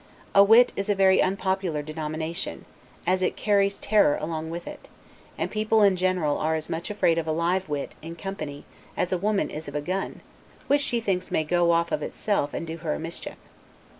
A wit is a very unpopular denomination, as it carries terror along with it; and people in general are as much afraid of a live wit, in company, as a woman is of a gun, which she thinks may go off of itself, and do her a mischief.